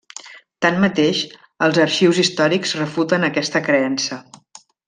Tanmateix, els arxius històrics refuten aquesta creença.